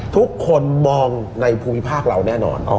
ทุกคนมองในภูมิภาคเราแน่นอน